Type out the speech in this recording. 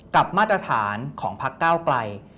กับมาตรฐานของพักก้าวกลัย